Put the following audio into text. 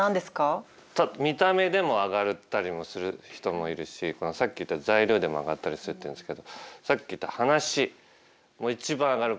見た目でもアガったりもする人もいるしさっき言った材料でもアガったりするっていうんですけどさっき言った話もう一番アガるポイントです。